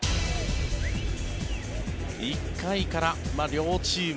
１回から両チーム